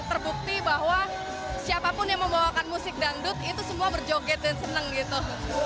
terbukti bahwa siapapun yang membawakan musik dangdut itu semua berjoget dan senang gitu